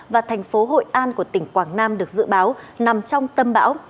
và thành phố hội an của tỉnh quảng nam được dự báo nằm trong tâm bão